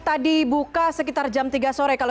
tadi buka sekitar jam tiga sore kalau